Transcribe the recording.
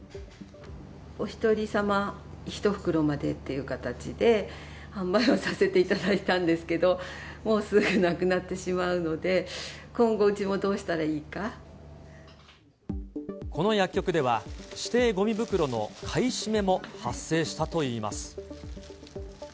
お１人様１袋までっていう形で販売はさせていただいたんですけど、もうすぐなくなってしまうので、今後、うちもどうしたらいこの薬局では、指定ごみ袋の買い占めも発生したといいます。